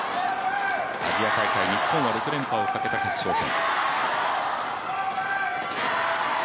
アジア大会、日本は６連覇をかけた決勝戦。